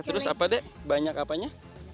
terus apa deh banyak apanya